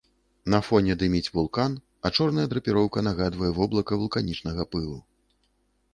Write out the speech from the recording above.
На фоне дыміць вулкан, а чорная драпіроўка нагадвае воблака вулканічнага пылу.